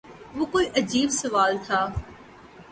وہ کوئی عجیب سوال تھا